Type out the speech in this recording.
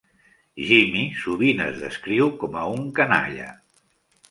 Jimmy sovint es descriu com a un canalla.